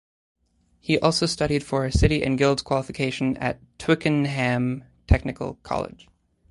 He also studied for a City and Guilds qualification at Twickenham Technical College.